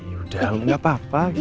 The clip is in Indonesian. yaudah nggak papa